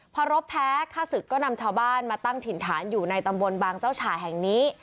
พอรบแพ้ฆ่าศึกก็นำชาวบ้านมาตั้งถิ่นฐานอยู่ในตำบลบางเจ้าฉ่าแห่งนี้